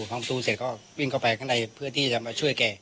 ห้องซูเสร็จก็วิ่งเข้าไปข้างในเพื่อที่จะมาช่วยแก